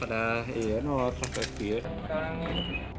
padahal iya nolol sampai kebiasa